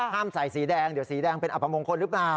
ใส่สีแดงเดี๋ยวสีแดงเป็นอัปมงคลหรือเปล่า